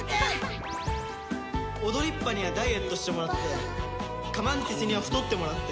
オドリッパにはダイエットしてもらってカマンティスには太ってもらって。